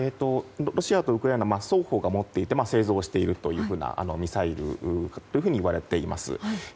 ロシアとウクライナ双方が持っていて製造しているミサイルといわれています。